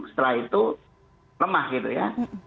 setelah itu lemah gitu ya